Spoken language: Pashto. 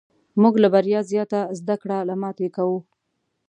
موږ له بریا زیاته زده کړه له ماتې کوو.